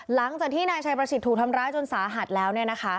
หลังจากที่นายชัยประสิทธิ์ถูกทำร้ายจนสาหัสแล้ว